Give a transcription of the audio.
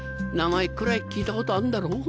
名前くらい聞いたことあんだろ？